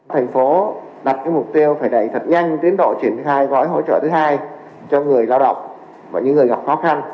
thành phố đặt mục tiêu phải đẩy thật nhanh tiến độ triển khai gói hỗ trợ thứ hai cho người lao động và những người gặp khó khăn